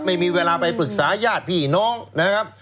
ไม่มีเวลาไปปรึกษาญาติพี่น้องนะครับ